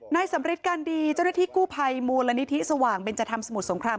นายสำริดกันดีเจ้าเรที่กู้ภัยมูลและนิทิสว่างบิญจธรรมสมุทรสงคราม